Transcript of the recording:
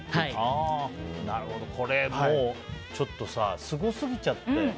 なるほど、これ、ちょっとさすごすぎちゃって。